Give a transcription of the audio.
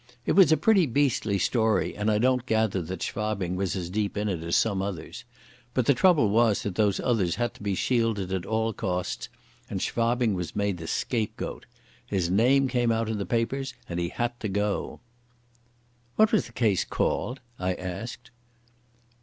It was a pretty beastly story, and I don't gather that Schwabing was as deep in it as some others. But the trouble was that those others had to be shielded at all costs, and Schwabing was made the scapegoat. His name came out in the papers and he had to go ." "What was the case called?" I asked.